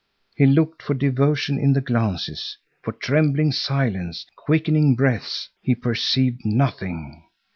He looked for devotion in the glances, for trembling silence, quickening breaths. He perceived nothing.